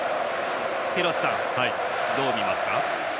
廣瀬さん、どう見ますか？